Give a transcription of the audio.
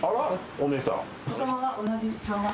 お姉さん。